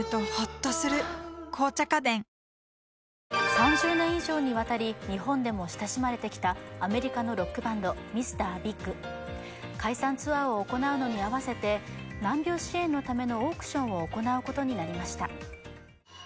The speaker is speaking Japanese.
３０年以上にわたり日本でも親しまれてきたアメリカのロックバンドＭＲ．ＢＩＧ解散ツアーを行うのに合わせて難病支援のためのオークションを行うことになりました